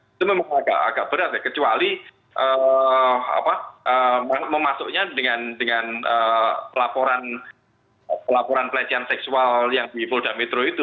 itu memang agak berat ya kecuali memasuknya dengan laporan pelecehan seksual yang di polda metro itu